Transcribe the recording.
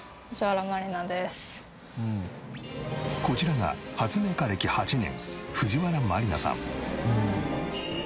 こちらが発明家歴８年藤原麻里菜さん。